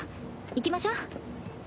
行きましょ。